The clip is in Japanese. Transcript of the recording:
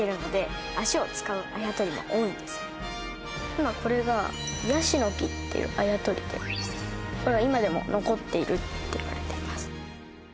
今これがヤシの木っていうあやとりでこれは今でも残っているっていわれています